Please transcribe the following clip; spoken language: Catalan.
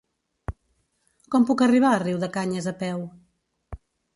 Com puc arribar a Riudecanyes a peu?